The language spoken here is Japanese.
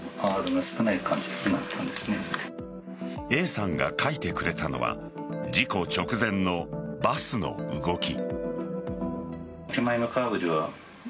Ａさんが描いてくれたのは事故直前のバスの動き。